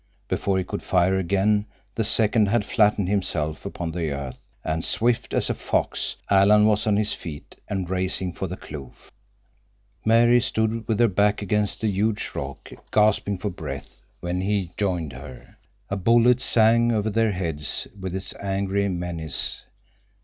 Before he could fire again the second had flattened himself upon the earth, and swift as a fox Alan was on his feet and racing for the kloof. Mary stood with her back against the huge rock, gasping for breath, when he joined her. A bullet sang over their heads with its angry menace.